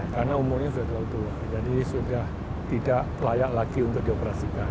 karena umurnya sudah terlalu tua jadi sudah tidak layak lagi untuk dioperasikan